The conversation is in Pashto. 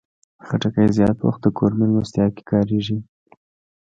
خټکی زیات وخت د کور مېلمستیا کې کارېږي.